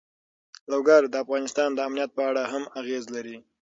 لوگر د افغانستان د امنیت په اړه هم اغېز لري.